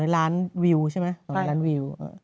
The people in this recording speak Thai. ล้านวิวใช่ไหม๑๐๐ล้านวิว